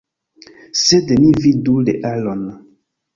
Sed ni vidu realon.